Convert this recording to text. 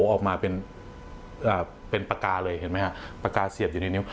ออกมาเป็นปากกาเลยเห็นไหมฮะปากกาเสียบอยู่ในนิ้ว